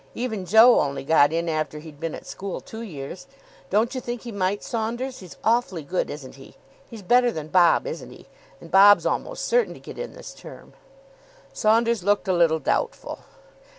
Even Joe only got in after he'd been at school two years. Don't you think he might, Saunders? He's awfully good, isn't he? He's better than Bob, isn't he? And Bob's almost certain to get in this term." Saunders looked a little doubtful.